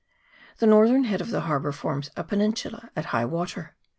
The northern head of the harbour forms a penin sula at high water.